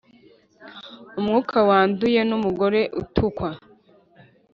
umwuka wanduye numugore utukwa